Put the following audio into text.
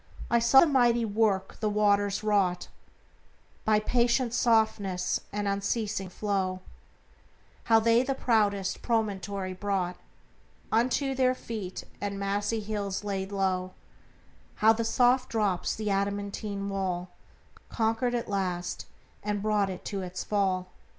I saw the mighty work the waters wrought By patient softness and unceasing flow; How they the proudest promontory brought Unto their feet, and massy hills laid low; How the soft drops the adamantine wall Conquered at last, and brought it to its fall.